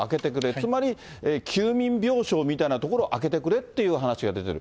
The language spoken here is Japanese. つまり休眠病床みたいな所を空けてくれっていう話が出てる。